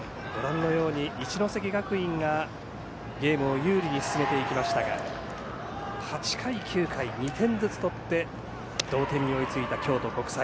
一関学院がゲームを有利に進めていきましたが８回、９回に２点ずつ取って同点に追いついた京都国際。